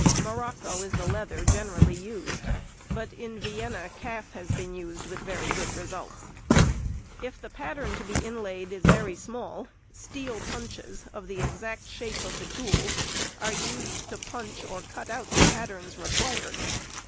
Morocco is the leather generally used, but in Vienna calf has been used with very good results. If the pattern to be inlaid be very small, steel punches of the exact shape of the tools are used to punch or cut out the patterns required.